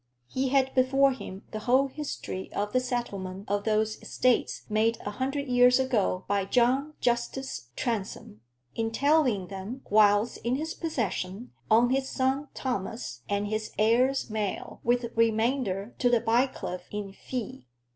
He had before him the whole history of the settlement of those estates made a hundred years ago by John Justus Transome, entailing them, whilst in his possession, on his son Thomas and his heirs male, with remainder to the Bycliffes in fee.